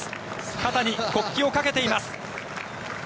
肩に国旗をかけています。